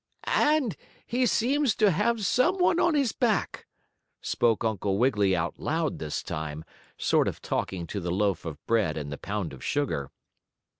"And he seems to have some one on his back," spoke Uncle Wiggily out loud this time, sort of talking to the loaf of bread and the pound of sugar.